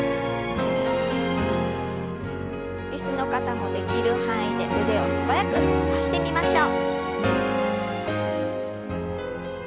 椅子の方もできる範囲で腕を素早く伸ばしてみましょう。